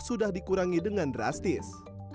sudah dikurangi dengan drastis